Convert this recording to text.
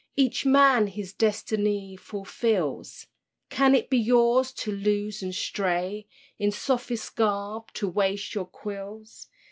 Each man his destiny fulfills; Can it be yours to loose and stray; In sophist garb to waste your quills?